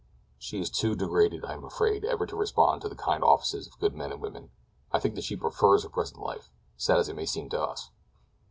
"She is too degraded, I am afraid, ever to respond to the kind offices of good men and women. I think that she prefers her present life, sad as it may seem to us.